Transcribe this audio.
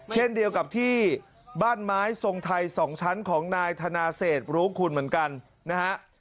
เช่นเดียวกับที่บ้านไม้ทรงไทย๒ชั้นของนายธนาเศษรู้คุณเหมือนกันนะฮะ